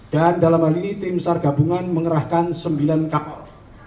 dan dalam hal ini tim besar gabungan mengerahkan sembilan kapal